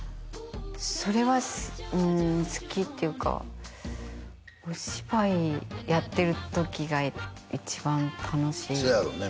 それはうん好きっていうかお芝居やってる時が一番楽しいかな？